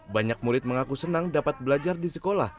banyak murid mengaku senang dapat belajar di sekolah